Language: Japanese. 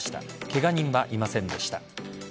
ケガ人はいませんでした。